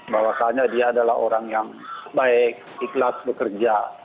bahwa kalian adalah orang baik ikhlas bekerja